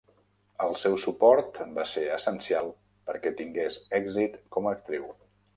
El seu suport va ser essencial perquè tingués èxit com a actriu.